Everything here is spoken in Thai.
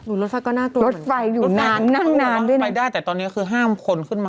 นี่ก็กลมเสี่ยงเหมือนกัน